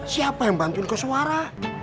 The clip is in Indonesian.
siapa yang bantuin ke suara